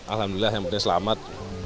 alhamdulillah yang penting selamat